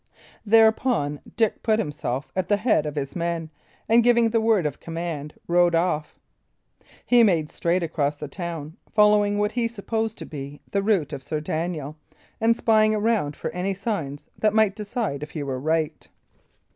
Thereupon Dick put himself at the head of his men, and giving the word of command, rode off. He made straight across the town, following what he supposed to be the route of Sir Daniel, and spying around for any signs that might decide if he were right.